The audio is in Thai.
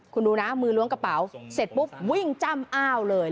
คุณดูนะมือล้วงกระเป๋าเสร็จปุ๊บวิ่งจ้ำอ้าวเลย